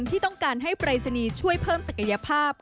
ที่ต้องการให้ปรายศนีย์ช่วยเพิ่มศักยภาพ